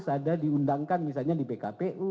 ada diundangkan misalnya di pkpu